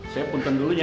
saya puntang dulunya